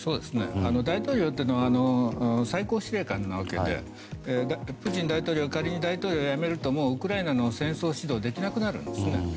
大統領っていうのは最高司令官なわけでプーチン大統領が仮に大統領を辞めるとウクライナの戦争指導をできなくなるんですよね。